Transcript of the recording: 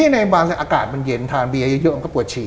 ในอากาศมันเย็นทานเยี่ยคงก็ปวดชี่